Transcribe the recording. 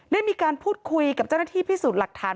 ได้มีการพูดคุยกับเจ้าหน้าที่พิสูจน์หลักฐาน